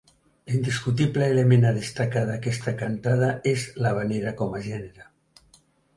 L'indiscutible element a destacar d'aquesta Cantada és l'havanera com a gènere.